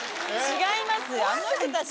違います。